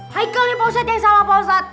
haikal nih pak ustadz yang salah pak ustadz